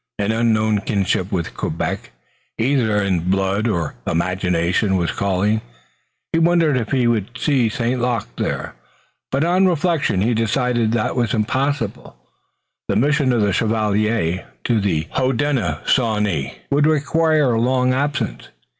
An unknown kinship with Quebec, either in blood or imagination, was calling. He wondered if he would see St. Luc there, but on reflection he decided that it was impossible. The mission of the chevalier to the Hodenosaunee would require a long absence.